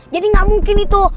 jadi gak mungkin itu